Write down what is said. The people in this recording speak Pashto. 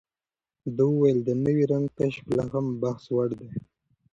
ده وویل، د نوي رنګ کشف لا هم بحثوړ دی.